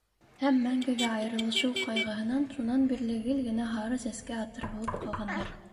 Һәм мәңгегә айырылышыу ҡайғыһынан шунан бирле гел генә һары сәскә атыр булып ҡалғандар.